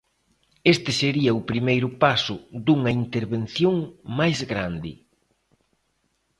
Este sería o primeiro paso dunha intervención máis grande.